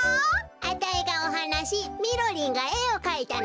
あたいがおはなしみろりんがえをかいたのよべ。